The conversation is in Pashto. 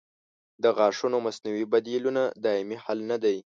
د غاښونو مصنوعي بدیلونه دایمي حل نه دی.